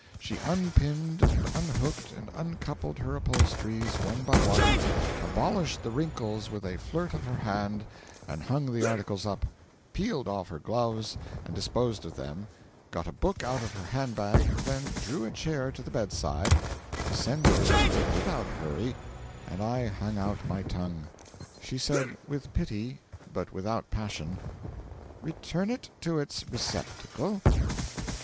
She unpinned and unhooked and uncoupled her upholsteries one by one, abolished the wrinkles with a flirt of her hand and hung the articles up; peeled off her gloves and disposed of them, got a book out of her hand bag, then drew a chair to the bedside, descended into it without hurry, and I hung out my tongue. She said, with pity but without passion: 'Return it to its receptacle.